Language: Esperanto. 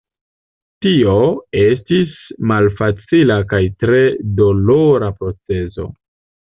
Tio estis malfacila kaj tre dolora procezo.